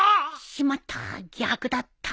しまった逆だった。